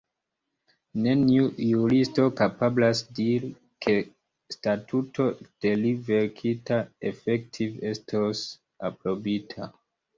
Neniu juristo kapablas diri, ke statuto de li verkita efektive estos aprobita.